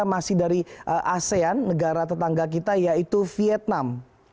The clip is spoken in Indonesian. masih dari asean negara tetangga kita yaitu vietnam